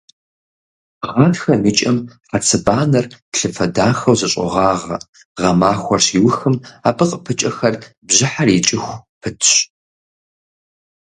Гъатхэм и кӀэм хьэцыбанэр плъыфэ дахэу зэщӀогъагъэ, гъэмахуэр щиухым абы къыпыкӀэхэр бжьыхьэр икӀыху пытщ.